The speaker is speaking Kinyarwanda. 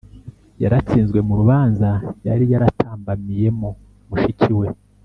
Yaratsinzwe mu rubanza yari yatambamiyemo mushiki we